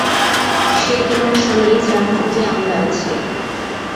সে তোমার স্বামীই যার খুঁজে আমরা আছি।